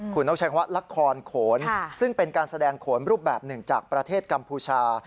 คุณต้องใช้คำว่าละครโขนซึ่งเป็นการแสดงโขนรูปแบบหนึ่งจากประเทศกัมพูชา